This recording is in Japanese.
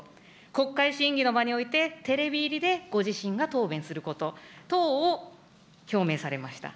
国会審議の場において、テレビ入りでご自身が答弁すること等を表明されました。